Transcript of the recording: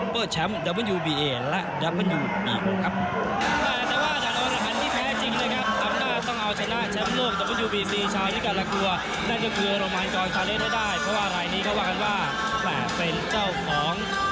เพราะว่ารายนี้เขาว่ากันว่าเป็นเจ้าของ